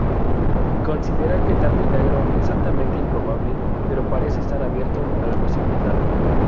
Considera que tal milagro es altamente improbable, pero parece estar abierto a la posibilidad.